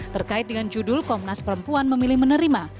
terkait dengan judul komnas perempuan memilih menerima